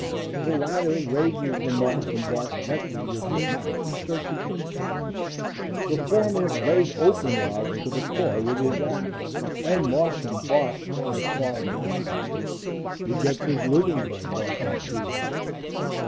The latter raises the moss and bark gently with his knife in search of insects; the former lays open logs to their core with his axe, and moss and bark fly far and wide. He gets his living by barking trees.